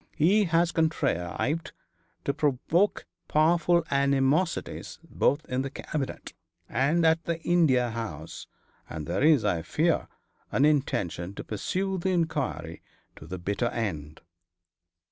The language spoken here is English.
He has contrived to provoke powerful animosities both in the Cabinet and at the India House, and there is, I fear, an intention to pursue the inquiry to the bitter end.'